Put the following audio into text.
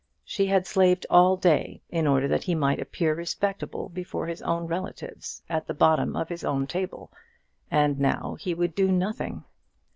She had slaved all day in order that he might appear respectable before his own relatives, at the bottom of his own table and now he would do nothing!